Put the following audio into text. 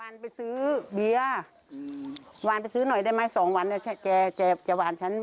ไปซื้อเบียร์อืมวานไปซื้อหน่อยได้ไหมสองวันเนี้ยแกแกจะวานฉัน